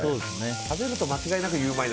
食べると間違いなくゆウマい